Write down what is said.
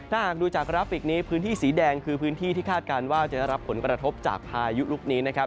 ถ้าหากดูจากกราฟิกนี้พื้นที่สีแดงคือพื้นที่ที่คาดการณ์ว่าจะได้รับผลกระทบจากพายุลูกนี้นะครับ